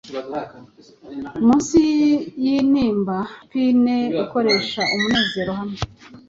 Munsi yintimba na pine Ikoresha umunezero hamwe